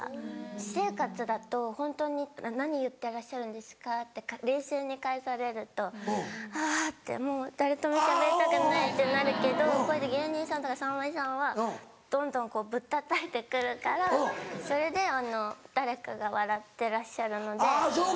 私生活だと本当に「何言ってらっしゃるんですか？」って冷静に返されるとあぁってもう誰ともしゃべりたくないってなるけどこうやって芸人さんとかさんまさんはどんどんぶったたいてくるからそれで誰かが笑ってらっしゃるので救われて。